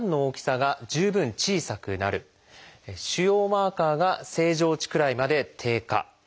腫瘍マーカーが正常値くらいまで低下。